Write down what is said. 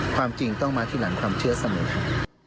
ความจริงต้องมาที่หลังความเชื่อเสมอครับ